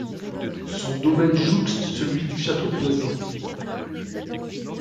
Son domaine jouxte celui du château de Voisins.